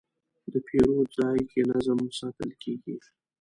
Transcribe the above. د پیرود ځای کې نظم ساتل کېږي.